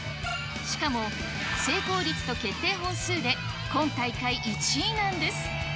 しかも成功率と決定本数で今大会１位なんです。